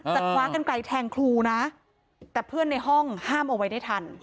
คว้ากันไกลแทงครูนะแต่เพื่อนในห้องห้ามเอาไว้ได้ทัน